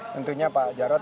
tentunya pak jarod